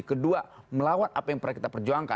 kedua melawan apa yang pernah kita perjuangkan